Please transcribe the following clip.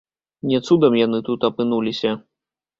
Не цудам яны тут апынуліся.